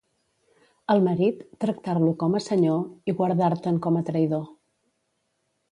Al marit, tractar-lo com a senyor i guardar-te'n com a traïdor.